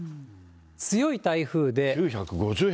強い台風で。